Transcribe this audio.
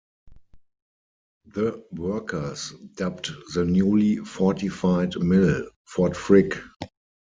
The workers dubbed the newly fortified mill Fort Frick.